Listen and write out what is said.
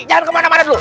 jangan kemana mana dulu